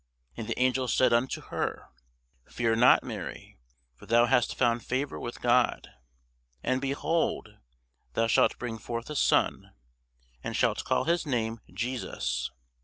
And the angel said unto her, Fear not, Mary: for thou hast found favour with God. And, behold, thou shalt bring forth a son, and shalt call his name JESUS.